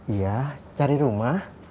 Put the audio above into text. iya cari rumah